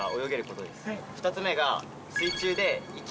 ２つ目が。